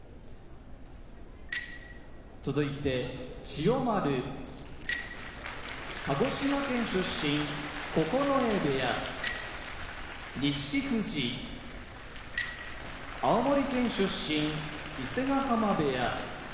千代丸鹿児島県出身九重部屋錦富士青森県出身伊勢ヶ濱部屋